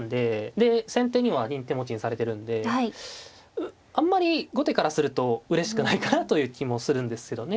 で先手には銀手持ちにされてるんであんまり後手からするとうれしくないかなという気もするんですけどね。